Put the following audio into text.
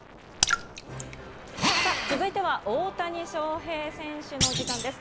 続いては大谷翔平選手のお時間です。